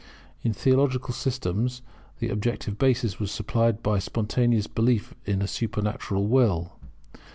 In theological systems the objective basis was supplied by spontaneous belief in a supernatural Will.